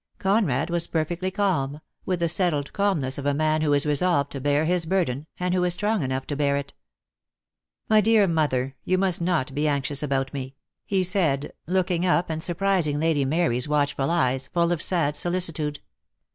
Conrad was perfectly calm, with the settled calmness of a man who is resolved to bear his burden, and who is strong enough to bear it. "My dear mother, you must not be anxious about me," he said, looking up and surprising Lady Mary's watchful eyes, full of sad solicitude.